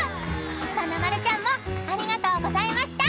［まなまるちゃんもありがとうございました！］